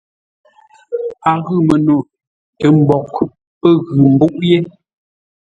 A ghʉ məno tə mboʼ pə́ ghʉ mbúʼ yé.